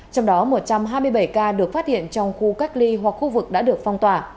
trong đó một trăm hai mươi bảy ca được phát hiện trong khu cách ly hoặc khu vực đã được phong tỏa